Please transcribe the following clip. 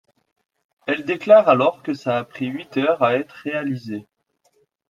Elle déclare alors que ça a pris huit heures à être réalisé.